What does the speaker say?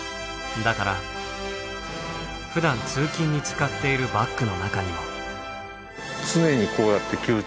だからふだん通勤に使っているバッグの中にも。